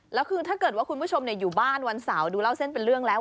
แล้วคือถ้าเกิดว่าคุณผู้ชมอยู่บ้านวันเสาร์ดูเล่าเส้นเป็นเรื่องแล้ว